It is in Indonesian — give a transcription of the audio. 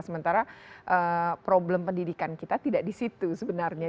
sementara problem pendidikan kita tidak di situ sebenarnya